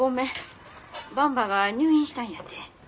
ばんばが入院したんやて。